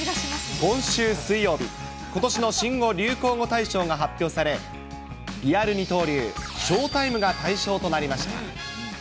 今週水曜日、ことしの新語・流行語大賞が発表され、リアル二刀流／ショータイムが大賞となりました。